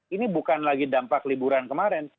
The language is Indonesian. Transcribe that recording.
ini bukan lagi dampak liburan kemarin